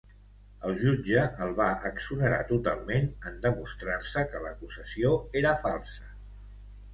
El jutge el va exonerar totalment en demostrar-se que l'acusació era falsa.